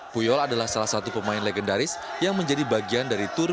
puyol adalah salah satu pemain legendaris yang menjadi bagian dari turna